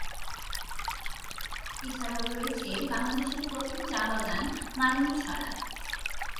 এছাড়াও রয়েছে বাংলাদেশের প্রথম চা বাগান 'মালণীছড়া'।